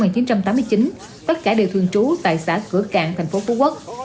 sinh năm một nghìn chín trăm tám mươi chín tất cả đều thường trú tại xã cửa cạn tp phú quốc